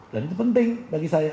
dan itu penting bagi saya